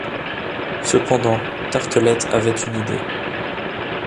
Cependant, Tartelett avait une idée.